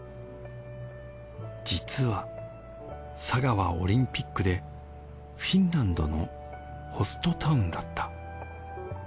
実は佐賀はオリンピックでフィンランドのホストタウンだった。